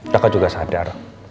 kakak juga sadar